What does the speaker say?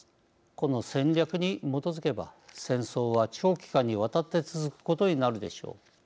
この戦略に基づけば戦争は長期間にわたって続くことになるでしょう。